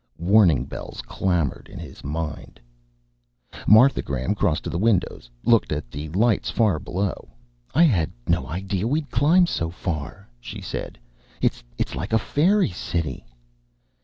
Warning bells clamored in his mind. Martha Graham crossed to the windows, looked at the lights far away below. "I had no idea we'd climbed that far," she said. "It's like a fairy city."